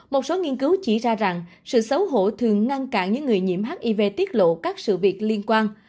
một số nghiên cứu chỉ ra rằng sự xấu hổ thường ngăn cản những người nhiễm hiv tiết lộ các sự việc liên quan